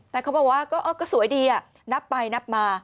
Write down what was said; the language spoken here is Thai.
แต่เขาบอกว่าก็สวยดีนับไปนับมา